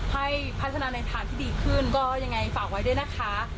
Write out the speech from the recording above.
ให้พัฒนาในทางที่ดีขึ้นก็ยังไงฝากไว้ด้วยนะคะ